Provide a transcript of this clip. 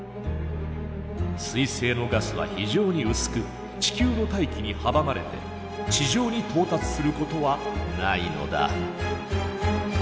彗星のガスは非常に薄く地球の大気に阻まれて地上に到達することはないのだ。